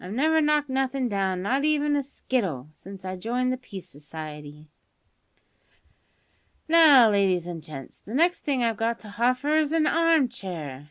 I've never knocked nothin' down, not even a skittle, since I joined the Peace Society. "Now, ladies an' gents, the next thing I've got to hoffer is a harm chair.